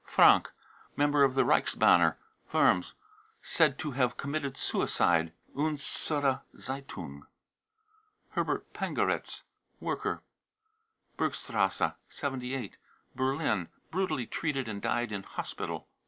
frangk, member of the Reichsbanner, Worms, said to have committed suicide. ( Unsere Z e ^ un §) Herbert pangeritz, worker, Bergstrasse 78, Berlin, brutally treated and died in hospital.